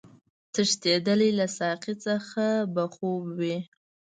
تښتېدلی له ساقي څخه به خوب وي